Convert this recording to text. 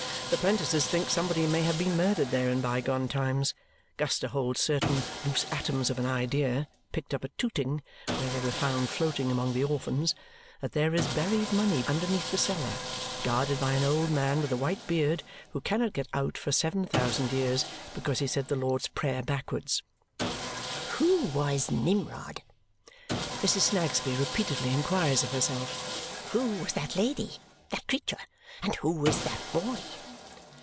The 'prentices think somebody may have been murdered there in bygone times. Guster holds certain loose atoms of an idea (picked up at Tooting, where they were found floating among the orphans) that there is buried money underneath the cellar, guarded by an old man with a white beard, who cannot get out for seven thousand years because he said the Lord's Prayer backwards. "Who was Nimrod?" Mrs. Snagsby repeatedly inquires of herself. "Who was that lady that creature? And who is that boy?"